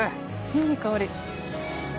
いい香り。